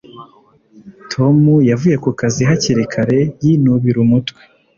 Tom yavuye ku kazi hakiri kare, yinubira umutwe.